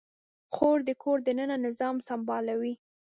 خور د کور دننه نظام سمبالوي.